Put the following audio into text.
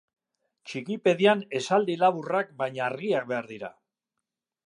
Txikipedian esaldi laburrak baina argiak behar dira.